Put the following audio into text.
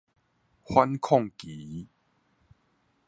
反抗期